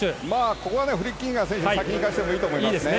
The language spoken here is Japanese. ここはフリッキンガー選手を先に行かせていいと思いますね。